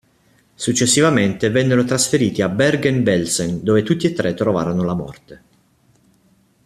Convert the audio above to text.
Successivamente vennero trasferiti a Bergen-Belsen, dove tutti e tre trovarono la morte.